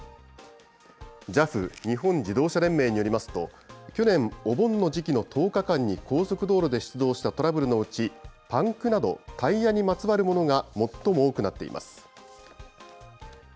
ＪＡＦ・日本自動車連盟によりますと、去年、お盆の時期の１０日間に高速道路で出動したトラブルのうち、パンクなどタイヤにまつわるものが最も多くなっています。